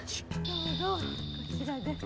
どうぞこちらです。